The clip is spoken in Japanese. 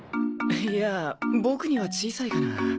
いやあボクには小さいかな。